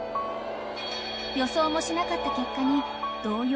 ［予想もしなかった結果に］